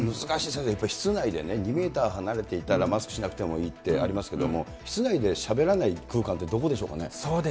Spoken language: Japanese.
先生、室内で２メーター離れていたら、マスクしなくてもいいってありますけれども、室内でしゃべらない空間ってどこでしょうかね。